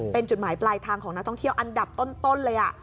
เป็นจุดหมายปลายทางของนักท่องเที่ยวอันดับต้นเลย